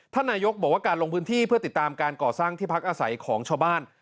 นายกบอกว่าการลงพื้นที่เพื่อติดตามการก่อสร้างที่พักอาศัยของชาวบ้าน